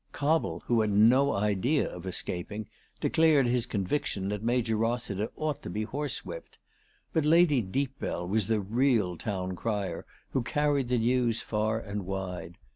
Cobble, who had no idea of escaping, declared his conviction that Major Eossiter ought to be horsewhipped ; but Lady Deepbell was the real town crier who carried the news far and wide.